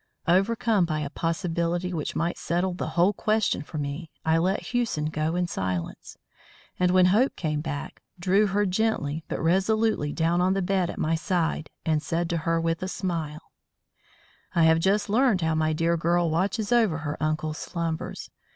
Overcome by a possibility which might settle the whole question for me, I let Hewson go in silence; and when Hope came back, drew her gently but resolutely down on the bed at my side and said to her with a smile: "I have just learned how my dear girl watches over her uncle's slumbers.